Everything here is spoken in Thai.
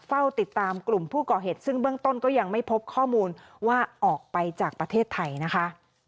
เฝ้าติดตามกลุ่มผู้ก่อเหตุซึ่งเบื้องต้นก็ยังไม่พบข้อมูลว่าออกไปจากประเทศไทยนะคะ